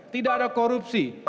tidak ada korupsi